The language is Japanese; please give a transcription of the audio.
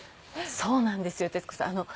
そうなんですよ徹子さん。